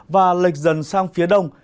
và lệch dần sang phía đông